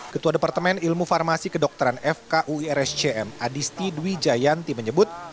ketua departemen ilmu farmasi kedokteran fkuirscm adisti dwi jayanti menyebut